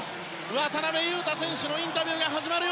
渡邊雄太選手のインタビューです。